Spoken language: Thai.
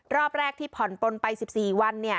รอบแรกที่ผ่อนปนไป๑๔วัน